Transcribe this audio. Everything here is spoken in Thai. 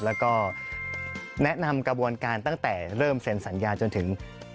แล้วก็แนะนำกระบวนการตั้งแต่เริ่มเซ็นสัญญาจนถึง